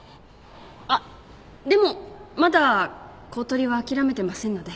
あっでもまだ公取は諦めてませんので。